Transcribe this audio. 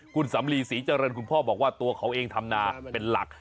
คุณสำลีศรีเจริญคุณพ่อบอกว่าตัวเขาเองทำนาเป็นหลัก